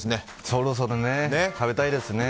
そろそろね、食べたいですね。